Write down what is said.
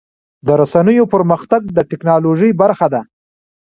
د رسنیو پرمختګ د ټکنالوژۍ برخه ده.